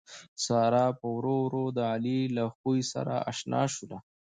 ساره پّ ورو ورو د علي له خوي سره اشنا شوله